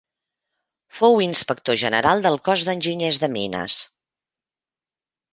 Fou inspector general del Cos d'Enginyers de Mines.